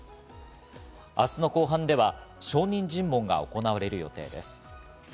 明日の公判では証人尋問が行われる予定です。